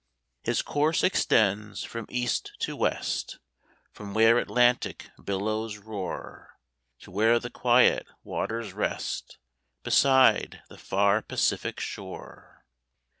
His course extends from East to West From where Atlantic billows roar, To where the quiet waters rest, Beside the far Pacific shore.